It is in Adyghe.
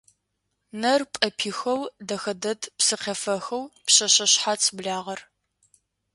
Нэр пӏэпихэу дэхэ дэд псыкъефэхэу «Пшъэшъэ шъхьац благъэр».